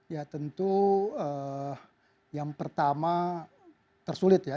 ya tentu yang pertama tersulit ya